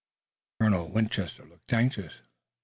Colonel Winchester looked anxious.